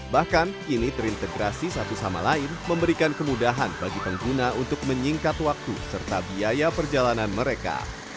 bahkan kini terintegrasi satu sama lain memberikan kemudahan bagi pengguna untuk menyingkat waktu serta biaya perjalanan mereka